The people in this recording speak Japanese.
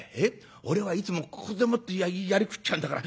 俺はいつもここでもって割食っちゃうんだから。